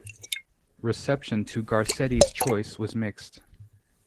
Reception to Garcetti's choice was mixed.